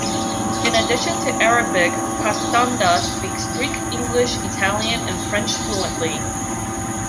In addition to Arabic, Costanda speaks Greek, English, Italian and French fluently.